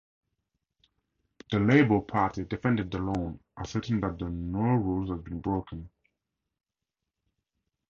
The Labour Party defended the loan, asserting that no rules had been broken.